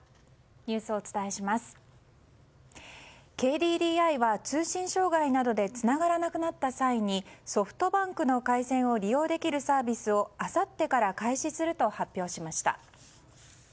ＫＤＤＩは通信障害などでつながらなくなった際にソフトバンクの回線を利用できるサービスをあさってから開始すると発表しました。